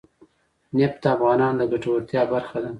نفت د افغانانو د ګټورتیا برخه ده.